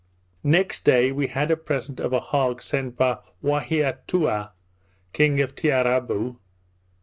Next day we had a present of a hog sent by Waheatoua, king of Tiarabou.